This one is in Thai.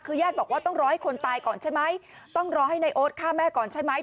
คือญาติบอกว่าต้องรอให้คนตายก่อนใช่ไหมต้องรอให้นายโอ๊ตฆ่าแม่ก่อนใช่ไหม